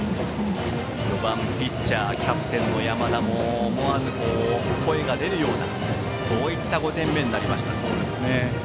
４番、ピッチャーキャプテンの山田も思わず声が出るようなそういった５点目になりました。